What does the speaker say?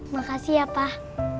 makasih ya pak